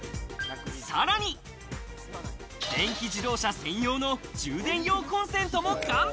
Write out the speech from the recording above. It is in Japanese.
さらに、電気自動車専用の充電用コンセントも完備。